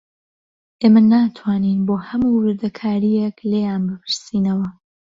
ئێمە ناتوانین بۆ هەموو وردەکارییەک لێیان بپرسینەوە